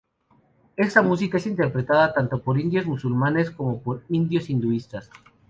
Esta música es interpretada tanto por indios musulmanes como por indios hinduistas.